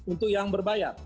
untuk yang berbayar